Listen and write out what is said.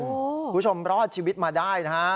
คุณผู้ชมรอดชีวิตมาได้นะฮะ